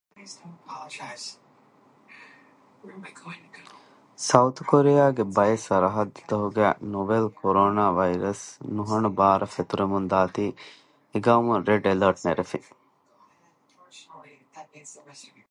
ސައުތު ކޮރެއާގެ ބައެއް ސަރަޙައްދުތަކުގައި ނޮވެލް ކޮރޯނާ ވައިރަސް ނުހަނު ބާރަށް ފެތުރެމުންދާތީ، އެޤައުމުންރެޑް އެލަރޓް ނެރެފި